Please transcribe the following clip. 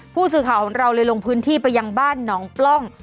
ผู้สื่อข่าวของเราเลยลงพื้นที่ไปยังบ้านหนองปล้อง